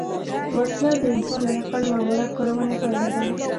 وسله د انسان د عقل ناوړه کارونې پایله ده